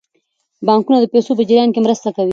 بانکونه د پیسو په جریان کې مرسته کوي.